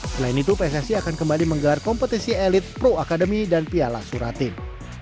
selain itu pssi akan kembali menggelar kompetisi elit pro akademi dan piala suratin